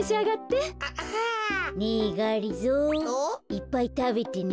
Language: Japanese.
いっぱいたべてね。